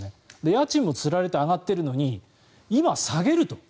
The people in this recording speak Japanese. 家賃もつられて上がっているのに今、下げると。